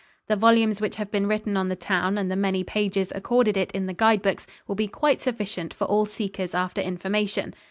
The volumes which have been written on the town and the many pages accorded it in the guide books will be quite sufficient for all seekers after information.